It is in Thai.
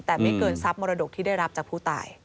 แต่ไม่เกินทรัพย์มรดกที่ได้รับจากผู้ตาย